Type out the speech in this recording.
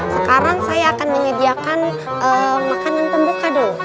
sekarang saya akan menyediakan makanan pembuka dulu